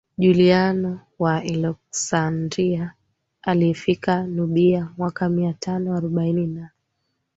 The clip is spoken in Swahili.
Juliano wa Aleksandria aliyefika Nubia mwaka mia tano arobaini na